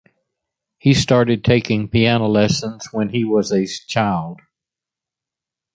He started taking piano lessons when he was a child.